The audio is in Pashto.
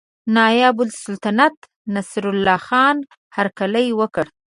نایب السلطنته نصرالله خان هرکلی وکړ.